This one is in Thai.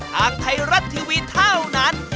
ทางไทยรัฐทีวีเท่านั้น